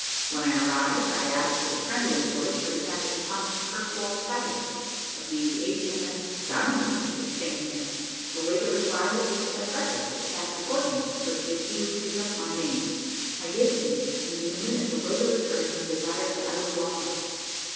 When I arrived, I asked, with a trembling voice, whether Captain Thomas Kirkwall Savage, of H.M.S. Diomede, was staying there. The waiter replied, that he was at breakfast with Captain Courtney, but that he would take up my name. I give it him, and in a minute the waiter returned and desired that I would walk up.